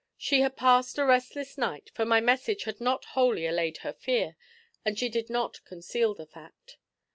She had passed a restless night, for my message had not wholly allayed her fear, and she did not conceal the fact.